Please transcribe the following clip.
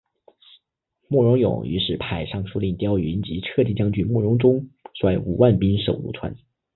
慕容永于是派尚书令刁云及车骑将军慕容钟率五万兵守潞川。